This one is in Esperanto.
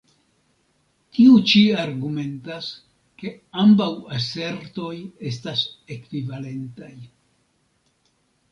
Tiu ĉi argumentas, ke ambaŭ asertoj estas ekvivalentaj.